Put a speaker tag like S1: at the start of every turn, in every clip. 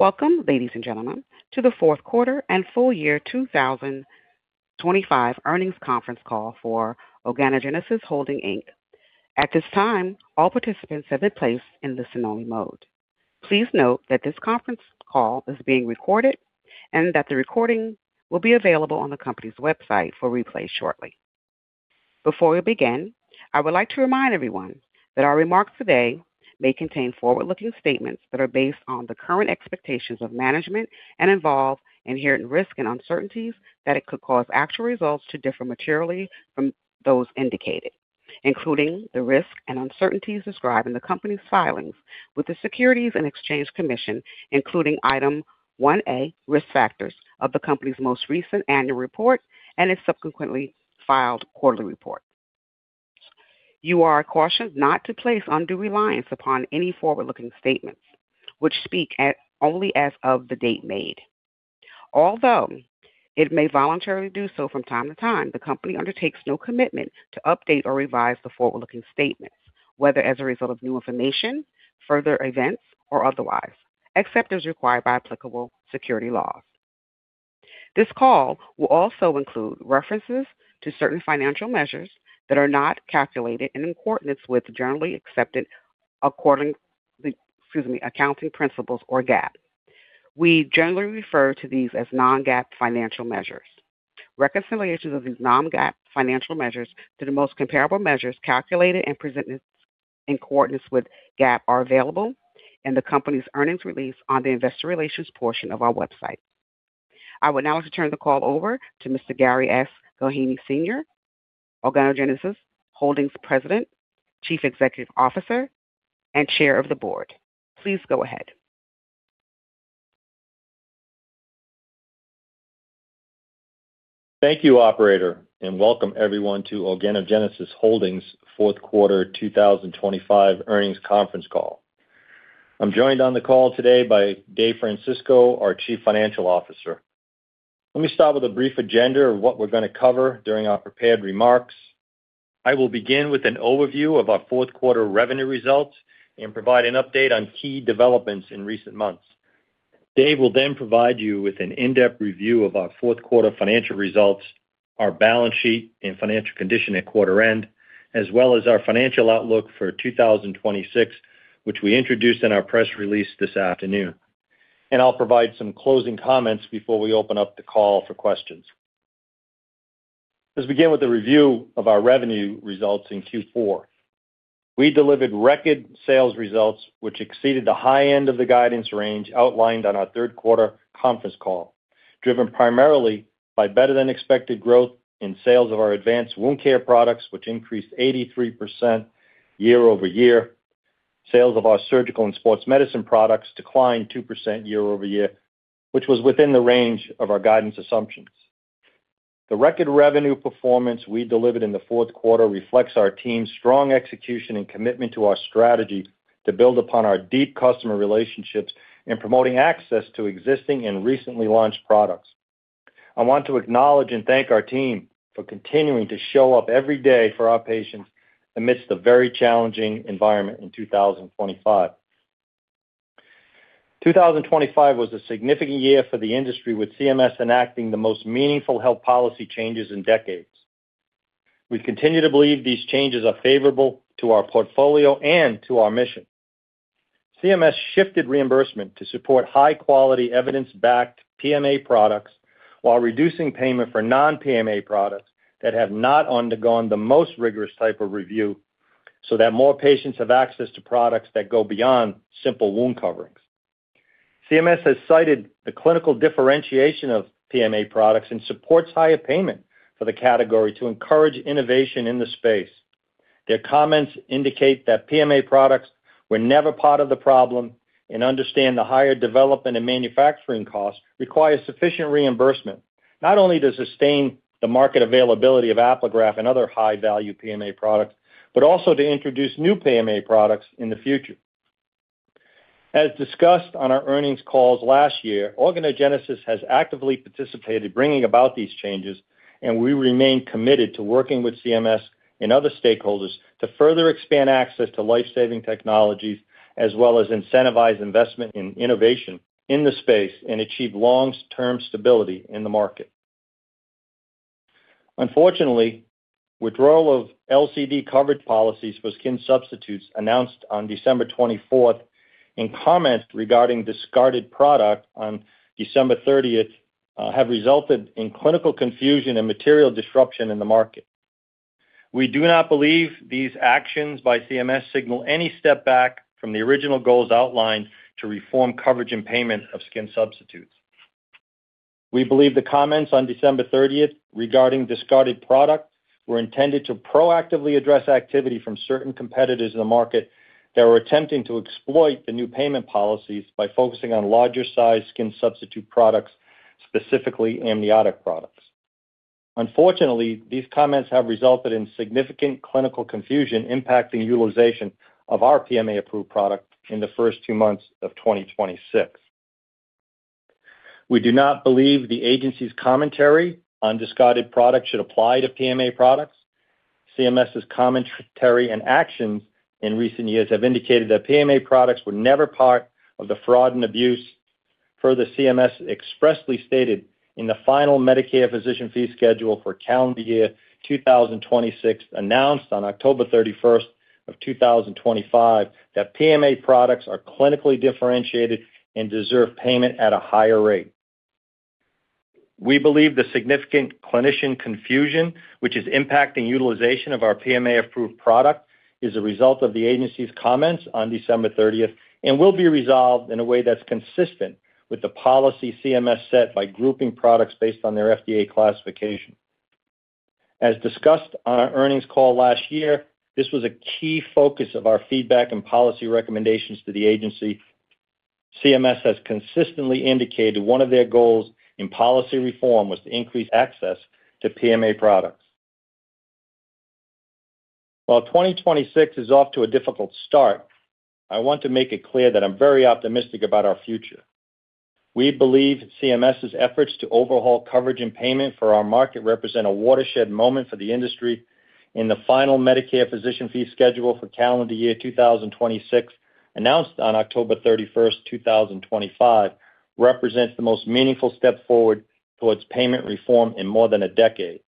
S1: Welcome, ladies and gentlemen, to the Fourth Quarter and Full Year 2025 Earnings Conference Call for Organogenesis Holdings, Inc At this time, all participants have been placed in listen-only mode. Please note that this conference call is being recorded and that the recording will be available on the company's website for replay shortly. Before we begin, I would like to remind everyone that our remarks today may contain forward-looking statements that are based on the current expectations of management and involve inherent risks and uncertainties, that it could cause actual results to differ materially from those indicated, including the risks and uncertainties described in the company's filings with the Securities and Exchange Commission, including Item 1A, Risk Factors of the company's most recent annual report and its subsequently filed quarterly report. You are cautioned not to place undue reliance upon any forward-looking statements, which speak only as of the date made. Although it may voluntarily do so from time to time, the company undertakes no commitment to update or revise the forward-looking statements, whether as a result of new information, further events, or otherwise, except as required by applicable security laws. This call will also include references to certain financial measures that are not calculated in accordance with generally accepted accounting principles or GAAP. We generally refer to these as non-GAAP financial measures. Reconciliations of these non-GAAP financial measures to the most comparable measures calculated and presented in accordance with GAAP are available in the company's earnings release on the investor relations portion of our website. I would now like to turn the call over to Mr. Gary S. Gillheeney, Senior, Organogenesis Holdings, President, Chief Executive Officer, and Chair of the Board. Please go ahead.
S2: Thank you, operator, and welcome everyone to Organogenesis Holdings' Fourth Quarter 2025 Earnings Conference Call. I'm joined on the call today by Dave Francisco, our Chief Financial Officer. Let me start with a brief agenda of what we're going to cover during our prepared remarks. I will begin with an overview of our fourth quarter revenue results and provide an update on key developments in recent months. Dave will then provide you with an in-depth review of our fourth quarter financial results, our balance sheet, and financial condition at quarter end, as well as our financial outlook for 2026, which we introduced in our press release this afternoon. I'll provide some closing comments before we open up the call for questions. Let's begin with a review of our revenue results in Q4. We delivered record sales results, which exceeded the high end of the guidance range outlined on our third-quarter conference call, driven primarily by better-than-expected growth in sales of our advanced wound care products, which increased 83% year-over-year. Sales of our Surgical and Sports Medicine products declined 2% year-over-year, which was within the range of our guidance assumptions. The record revenue performance we delivered in the fourth quarter reflects our team's strong execution and commitment to our strategy to build upon our deep customer relationships in promoting access to existing and recently launched products. I want to acknowledge and thank our team for continuing to show up every day for our patients amidst a very challenging environment in 2025. 2025 was a significant year for the industry, with CMS enacting the most meaningful health policy changes in decades. We continue to believe these changes are favorable to our portfolio and to our mission. CMS shifted reimbursement to support high-quality, evidence-backed PMA products while reducing payment for non-PMA products that have not undergone the most rigorous type of review, so that more patients have access to products that go beyond simple wound coverings. CMS has cited the clinical differentiation of PMA products and supports higher payment for the category to encourage innovation in the space. Their comments indicate that PMA products were never part of the problem and understand the higher development and manufacturing costs require sufficient reimbursement, not only to sustain the market availability of Apligraf and other high-value PMA products, but also to introduce new PMA products in the future. As discussed on our earnings calls last year, Organogenesis has actively participated bringing about these changes, and we remain committed to working with CMS and other stakeholders to further expand access to life-saving technologies, as well as incentivize investment in innovation in the space and achieve long-term stability in the market. Unfortunately, withdrawal of LCD coverage policies for skin substitutes announced on December 24th, and comments regarding discarded product on December 30th, have resulted in clinical confusion and material disruption in the market. We do not believe these actions by CMS signal any step back from the original goals outlined to reform coverage and payment of skin substitutes. We believe the comments on December 30th regarding discarded products were intended to proactively address activity from certain competitors in the market that were attempting to exploit the new payment policies by focusing on larger-sized skin substitute products, specifically amniotic products. Unfortunately, these comments have resulted in significant clinical confusion impacting utilization of our PMA-approved product in the first 2 months of 2026. We do not believe the agency's commentary on discarded products should apply to PMA products. CMS's commentary and actions in recent years have indicated that PMA products were never part of the fraud and abuse. CMS expressly stated in the final Medicare Physician Fee Schedule for calendar year 2026, announced on October 31st of 2025, that PMA products are clinically differentiated and deserve payment at a higher rate. We believe the significant clinician confusion, which is impacting utilization of our PMA-approved product, is a result of the agency's comments on December 30th and will be resolved in a way that's consistent with the policy CMS set by grouping products based on their FDA classification. As discussed on our earnings call last year, this was a key focus of our feedback and policy recommendations to the agency. CMS has consistently indicated one of their goals in policy reform was to increase access to PMA products. While 2026 is off to a difficult start, I want to make it clear that I'm very optimistic about our future. We believe CMS's efforts to overhaul coverage and payment for our market represent a watershed moment for the industry. In the final Medicare Physician Fee Schedule for calendar year 2026, announced on October 31st, 2025, represents the most meaningful step forward towards payment reform in more than a decade.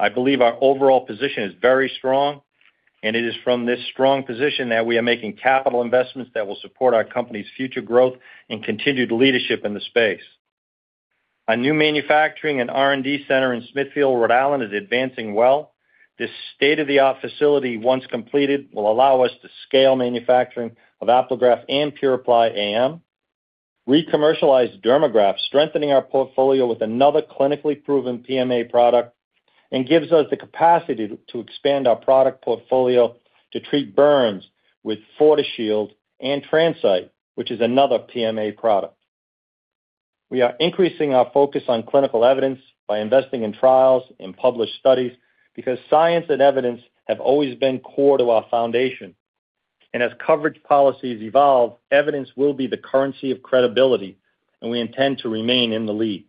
S2: I believe our overall position is very strong, and it is from this strong position that we are making capital investments that will support our company's future growth and continued leadership in the space. Our new manufacturing and R&D center in Smithfield, Rhode Island, is advancing well. This state-of-the-art facility, once completed, will allow us to scale manufacturing of Apligraf and PuraPly AM. Recommercialized Dermagraft, strengthening our portfolio with another clinically proven PMA product, and gives us the capacity to expand our product portfolio to treat burns with FortiShield and TransCyte, which is another PMA product. We are increasing our focus on clinical evidence by investing in trials and published studies, because science and evidence have always been core to our foundation. As coverage policies evolve, evidence will be the currency of credibility, and we intend to remain in the lead.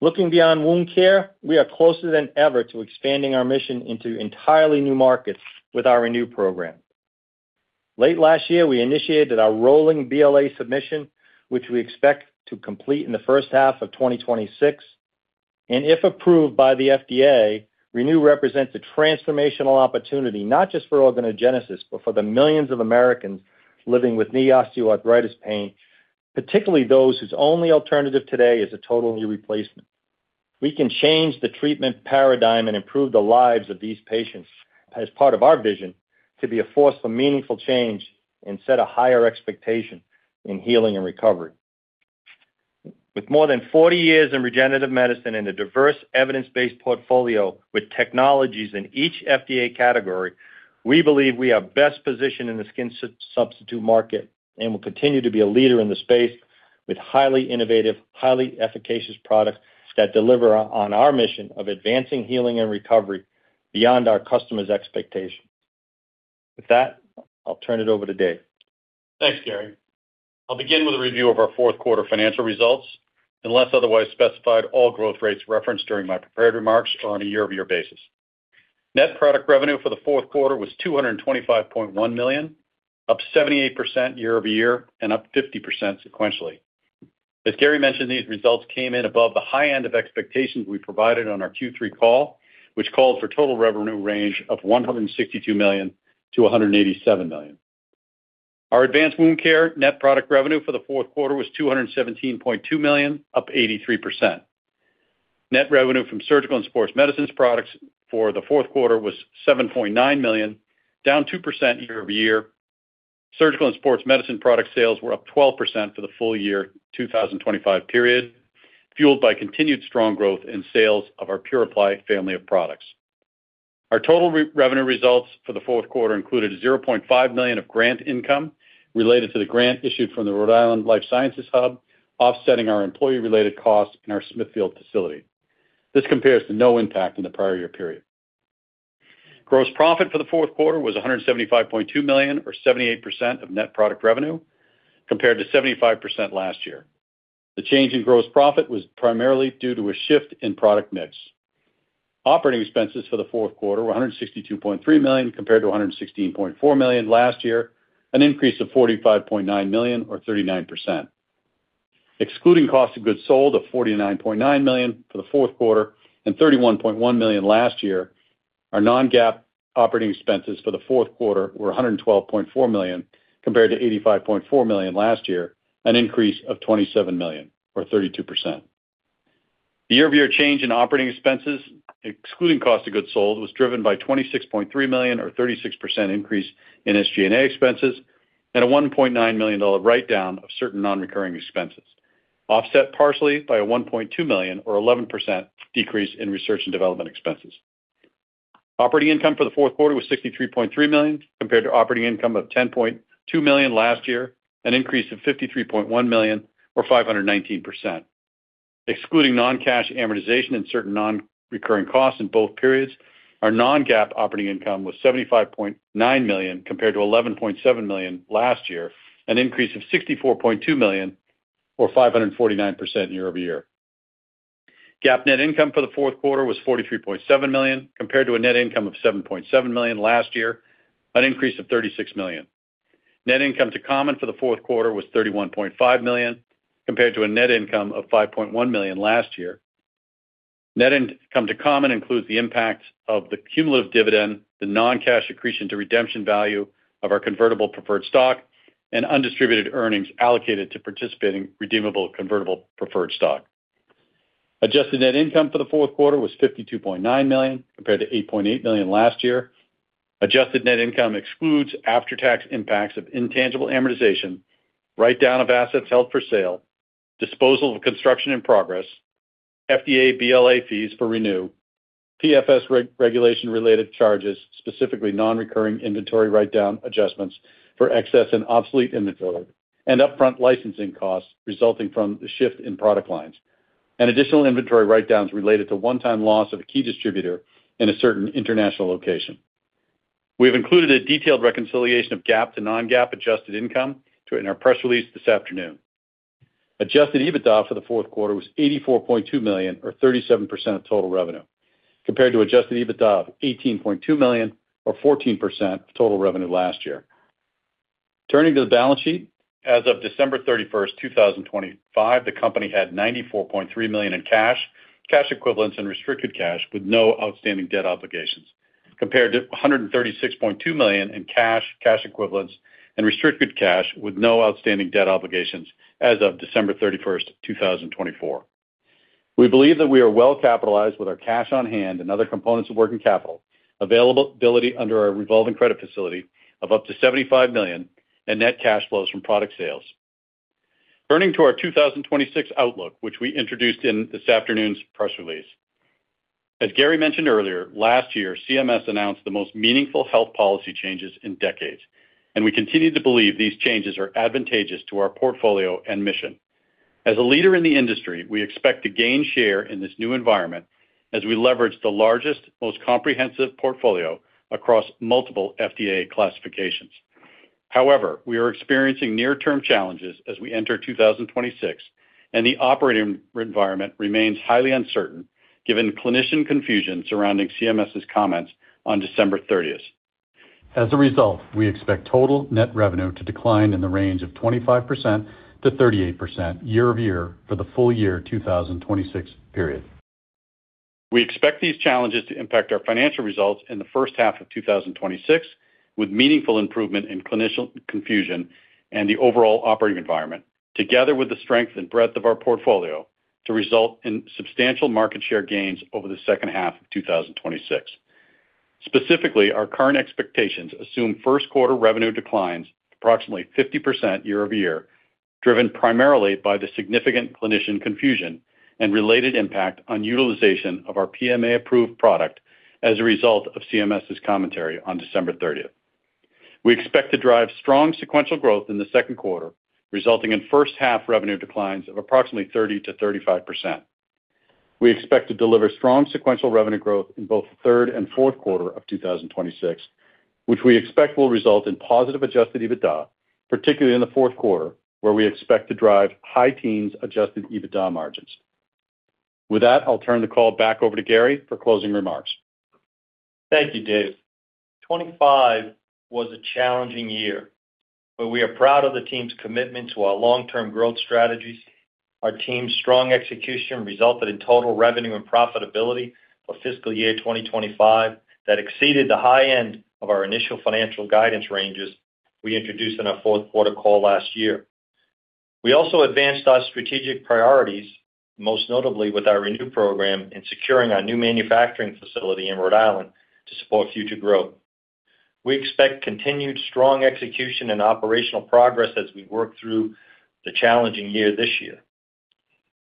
S2: Looking beyond wound care, we are closer than ever to expanding our mission into entirely new markets with our ReNu program. Late last year, we initiated our rolling BLA submission, which we expect to complete in the first half of 2026. If approved by the FDA, ReNu represents a transformational opportunity, not just for Organogenesis, but for the millions of Americans living with knee osteoarthritis pain, particularly those whose only alternative today is a total knee replacement. We can change the treatment paradigm and improve the lives of these patients as part of our vision to be a force for meaningful change and set a higher expectation in healing and recovery. With more than 40 years in regenerative medicine and a diverse evidence-based portfolio with technologies in each FDA category, we believe we are best positioned in the skin substitute market and will continue to be a leader in the space with highly innovative, highly efficacious products that deliver on our mission of advancing healing and recovery beyond our customers' expectations. With that, I'll turn it over to Dave.
S3: Thanks, Gary. I'll begin with a review of our fourth quarter financial results. Unless otherwise specified, all growth rates referenced during my prepared remarks are on a year-over-year basis. Net product revenue for the fourth quarter was $225.1 million, up 78% year-over-year and up 50% sequentially. As Gary mentioned, these results came in above the high end of expectations we provided on our Q3 call, which called for total revenue range of $162 million-$187 million. Our advanced wound care net product revenue for the fourth quarter was $217.2 million, up 83%. Net revenue from Surgical and Sports Medicine products for the fourth quarter was $7.9 million, down 2% year-over-year. Surgical and Sports Medicine product sales were up 12% for the full year 2025 period, fueled by continued strong growth in sales of our PuraPly family of products. Our total revenue results for the fourth quarter included $0.5 million of grant income related to the grant issued from the Rhode Island Life Science Hub, offsetting our employee-related costs in our Smithfield facility. This compares to no impact in the prior year period. Gross profit for the fourth quarter was $175.2 million, or 78% of net product revenue, compared to 75% last year. The change in gross profit was primarily due to a shift in product mix. Operating expenses for the fourth quarter were $162.3 million, compared to $116.4 million last year, an increase of $45.9 million or 39%. Excluding cost of goods sold of $49.9 million for the fourth quarter and $31.1 million last year, our non-GAAP operating expenses for the fourth quarter were $112.4 million, compared to $85.4 million last year, an increase of $27 million or 32%. The year-over-year change in operating expenses, excluding cost of goods sold, was driven by $26.3 million or 36% increase in SG&A expenses and a $1.9 million write-down of certain non-recurring expenses, offset partially by a $1.2 million or 11% decrease in research and development expenses. Operating income for the fourth quarter was $63.3 million, compared to operating income of $10.2 million last year, an increase of $53.1 million or 519%. Excluding non-cash amortization and certain non-recurring costs in both periods, our non-GAAP operating income was $75.9 million compared to $11.7 million last year, an increase of $64.2 million or 549% year-over-year. GAAP net income for the fourth quarter was $43.7 million compared to a net income of $7.7 million last year, an increase of $36 million. Net income to common for the fourth quarter was $31.5 million compared to a net income of $5.1 million last year. Net income to common includes the impact of the cumulative dividend, the non-cash accretion to redemption value of our convertible preferred stock, and undistributed earnings allocated to participating redeemable convertible preferred stock. Adjusted net income for the fourth quarter was $52.9 million compared to $8.8 million last year. Adjusted net income excludes after-tax impacts of intangible amortization, write-down of assets held for sale, disposal of construction in progress, FDA BLA fees for ReNu, PFS regulation-related charges, specifically non-recurring inventory write-down adjustments for excess and obsolete inventory, and upfront licensing costs resulting from the shift in product lines, and additional inventory write-downs related to one-time loss of a key distributor in a certain international location. We have included a detailed reconciliation of GAAP to non-GAAP adjusted income in our press release this afternoon. Adjusted EBITDA for the fourth quarter was $84.2 million or 37% of total revenue, compared to adjusted EBITDA of $18.2 million or 14% of total revenue last year. Turning to the balance sheet. As of December 31st, 2025, the company had $94.3 million in cash equivalents, and restricted cash with no outstanding debt obligations, compared to $136.2 million in cash equivalents, and restricted cash with no outstanding debt obligations as of December 31st, 2024. We believe that we are well capitalized with our cash on hand and other components of working capital, availability under our revolving credit facility of up to $75 million and net cash flows from product sales. Turning to our 2026 outlook, which we introduced in this afternoon's press release. As Gary mentioned earlier, last year, CMS announced the most meaningful health policy changes in decades, and we continue to believe these changes are advantageous to our portfolio and mission. As a leader in the industry, we expect to gain share in this new environment as we leverage the largest, most comprehensive portfolio across multiple FDA classifications. However, we are experiencing near-term challenges as we enter 2026, and the operating environment remains highly uncertain given clinician confusion surrounding CMS's comments on December 30th. As a result, we expect total net revenue to decline in the range of 25%-38% year-over-year for the full year 2026 period. We expect these challenges to impact our financial results in the first-half of 2026, with meaningful improvement in clinician confusion and the overall operating environment, together with the strength and breadth of our portfolio to result in substantial market share gains over the second half of 2026. Specifically, our current expectations assume first quarter revenue declines approximately 50% year-over-year, driven primarily by the significant clinician confusion and related impact on utilization of our PMA-approved product as a result of CMS's commentary on December 30th. We expect to drive strong sequential growth in the second quarter, resulting in first-half revenue declines of approximately 30%-35%. We expect to deliver strong sequential revenue growth in both the third and fourth quarter of 2026, which we expect will result in positive adjusted EBITDA, particularly in the fourth quarter, where we expect to drive high teens adjusted EBITDA margins. With that, I'll turn the call back over to Gary for closing remarks.
S2: Thank you, Dave. 2025 was a challenging year, but we are proud of the team's commitment to our long-term growth strategies. Our team's strong execution resulted in total revenue and profitability for fiscal year 2025 that exceeded the high end of our initial financial guidance ranges we introduced in our fourth-quarter call last year. We also advanced our strategic priorities, most notably with our ReNu program in securing our new manufacturing facility in Rhode Island to support future growth. We expect continued strong execution and operational progress as we work through the challenging year this year.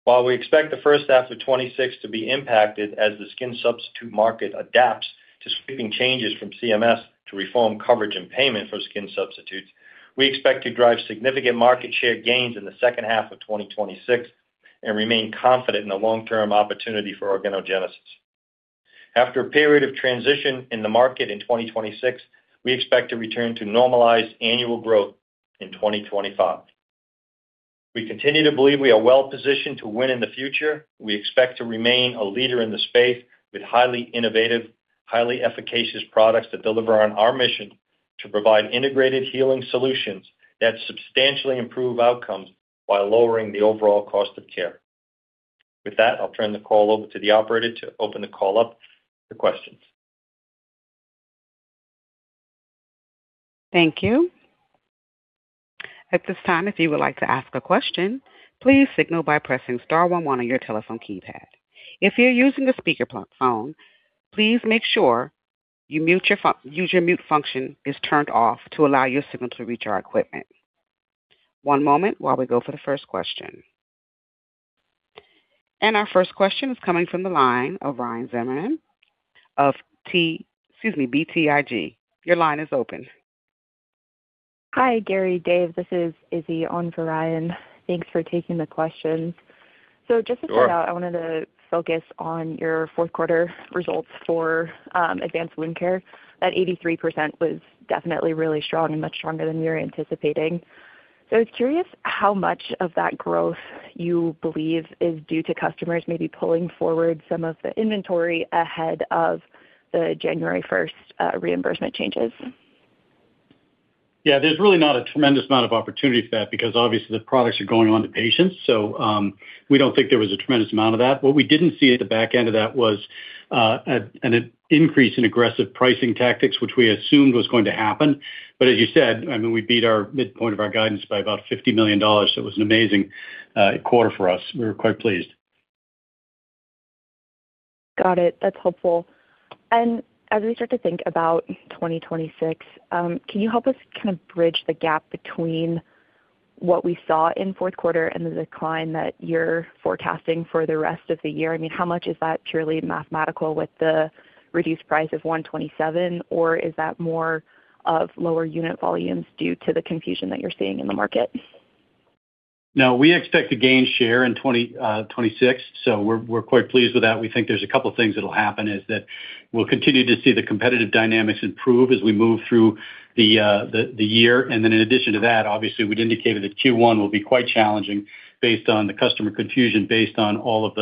S2: While we expect the first-half of 2026 to be impacted as the skin substitute market adapts to sweeping changes from CMS to reform coverage and payment for skin substitutes, we expect to drive significant market share gains in the second half of 2026 and remain confident in the long-term opportunity for Organogenesis. After a period of transition in the market in 2026, we expect to return to normalized annual growth in 2025. We continue to believe we are well-positioned to win in the future. We expect to remain a leader in the space with highly innovative, highly efficacious products that deliver on our mission to provide integrated healing solutions that substantially improve outcomes while lowering the overall cost of care. I'll turn the call over to the operator to open the call up for questions.
S1: Thank you. At this time, if you would like to ask a question, please signal by pressing star 11 on your telephone keypad. If you're using a speakerphone, please make sure you use your mute function is turned off to allow your signal to reach our equipment. One moment while we go for the first question. And our first question is coming from the line of Ryan Zimmerman of BTIG. Your line is open.
S4: Hi, Gary, Dave, this is Izzy on for Ryan. Thanks for taking the questions. Just to start out, I wanted to focus on your fourth quarter results for advanced wound care. That 83% was definitely really strong and much stronger than you're anticipating. I was curious how much of that growth you believe is due to customers maybe pulling forward some of the inventory ahead of the January 1st reimbursement changes?
S3: Yeah, there's really not a tremendous amount of opportunity for that because obviously the products are going on to patients. We don't think there was a tremendous amount of that. What we didn't see at the back end of that was an increase in aggressive pricing tactics, which we assumed was going to happen. As you said, I mean, we beat our midpoint of our guidance by about $50 million. It was an amazing quarter for us. We were quite pleased.
S4: Got it. That's helpful. As we start to think about 2026, can you help us kind of bridge the gap between what we saw in fourth quarter and the decline that you're forecasting for the rest of the year? I mean, how much is that purely mathematical with the reduced price of $127, or is that more of lower unit volumes due to the confusion that you're seeing in the market?
S3: We expect to gain share in 2026, so we're quite pleased with that. We think there's a couple of things that'll happen, is that we'll continue to see the competitive dynamics improve as we move through the year. In addition to that, obviously, we'd indicated that Q1 will be quite challenging based on the customer confusion, based on all of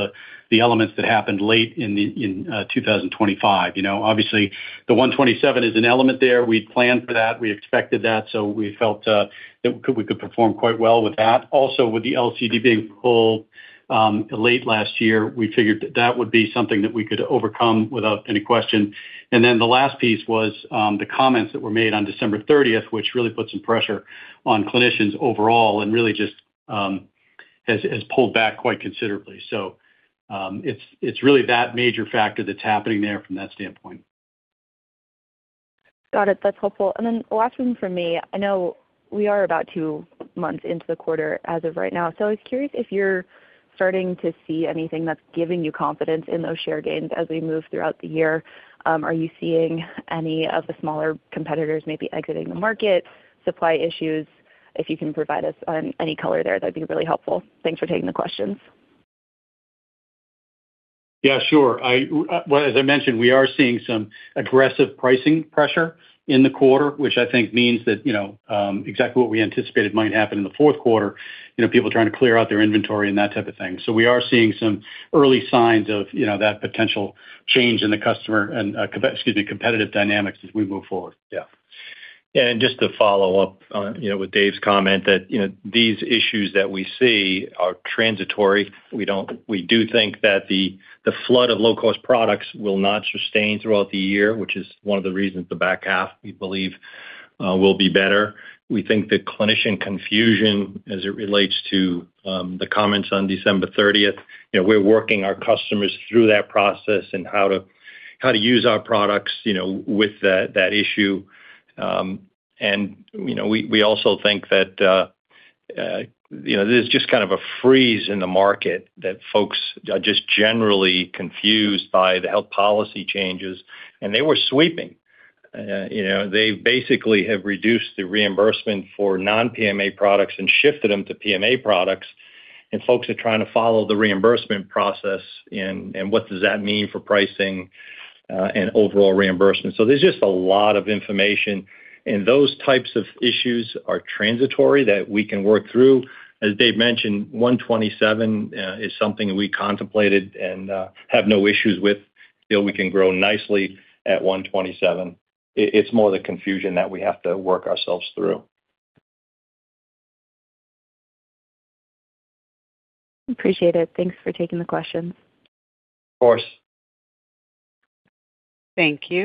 S3: the elements that happened late in 2025. You know, obviously, the $127 is an element there. We'd planned for that. We expected that, so we felt that we could perform quite well with that. Also, with the LCD being pulled late last year, we figured that that would be something that we could overcome without any question. The last piece was, the comments that were made on December 30th, which really put some pressure on clinicians overall and really just has pulled back quite considerably. It's really that major factor that's happening there from that standpoint.
S4: Got it. That's helpful. The last one for me, I know we are about two months into the quarter as of right now, I was curious if you're starting to see anything that's giving you confidence in those share gains as we move throughout the year. Are you seeing any of the smaller competitors maybe exiting the market, supply issues? If you can provide us on any color there, that'd be really helpful. Thanks for taking the questions.
S3: Yeah, sure. I, well, as I mentioned, we are seeing some aggressive pricing pressure in the quarter, which I think means that, you know, exactly what we anticipated might happen in the fourth quarter, you know, people trying to clear out their inventory and that type of thing. We are seeing some early signs of, you know, that potential change in the customer and, excuse me, competitive dynamics as we move forward. Yeah.
S2: Just to follow up on, you know, with Dave's comment, that, you know, these issues that we see are transitory. We do think that the flood of low-cost products will not sustain throughout the year, which is one of the reasons the back half, we believe, will be better. We think the clinician confusion as it relates to, the comments on December 30th, you know, we're working our customers through that process and how to use our products, you know, with that issue. You know, we also think that, you know, there's just kind of a freeze in the market, that folks are just generally confused by the health policy changes, and they were sweeping. You know, they basically have reduced the reimbursement for non-PMA products and shifted them to PMA products, and folks are trying to follow the reimbursement process and what does that mean for pricing and overall reimbursement? There's just a lot of information, and those types of issues are transitory, that we can work through. As Dave mentioned, $127 is something we contemplated and have no issues with. You know, we can grow nicely at $127. It's more the confusion that we have to work ourselves through.
S4: Appreciate it. Thanks for taking the questions.
S3: Of course.
S1: Thank you.